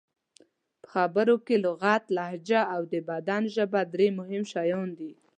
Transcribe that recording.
په خبرو کې لغت، لهجه او د بدن ژبه درې مهم شیان دي.